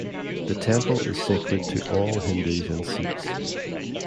The temple is sacred to all Hindus and Sikhs.